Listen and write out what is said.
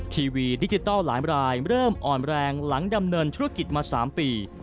ทีวีดิจิทัลหลายรายเริ่มอ่อนแรงหลังดำเนินธุรกิจมา๓ปี